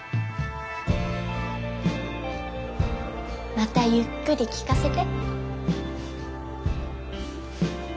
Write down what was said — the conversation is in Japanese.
またゆっくり聞かせて。